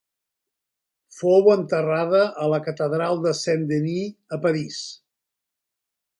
Fou enterrada a la Catedral de Saint-Denis a París.